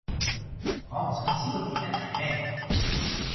我唔想知個原因係咩